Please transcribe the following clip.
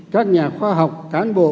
các nhà khoa học cán bộ